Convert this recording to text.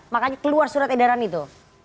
makanya keluar surat edaran itu